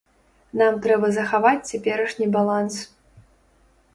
Нам трэба захаваць цяперашні баланс.